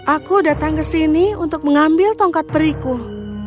aku datang ke sini untuk mengambil tongkat periku